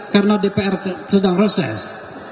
karena dpr sedang reses